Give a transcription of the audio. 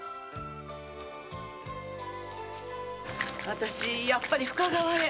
私やっぱり深川へ。